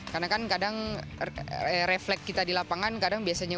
karena kan kadang refleks kita di lapangan kadang biasanya